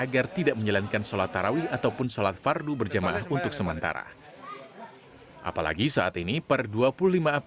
warga yang sudah terlanjur berada di dalam masjid diminta pulang oleh petugas